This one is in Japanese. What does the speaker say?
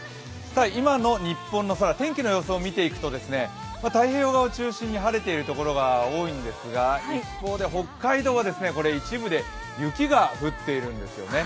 今の日本の空、天気の様子を見ていくと、太平洋側を中心に晴れている所が多いんですが、一方で北海道は一部で雪が降っているんですよね。